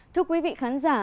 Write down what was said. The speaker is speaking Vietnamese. thưa quý vị khán giả